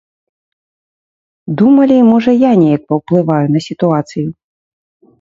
Думалі, можа я неяк паўплываю на сітуацыю.